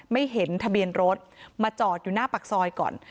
ไม่เห็นทะเบียนรถมาจอดอยู่หน้าปากซอยก่อน